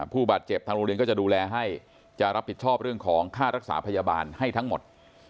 ผู้บาดเจ็บทางโรงเรียนก็จะดูแลให้จะรับผิดชอบเรื่องของค่ารักษาพยาบาลให้ทั้งหมด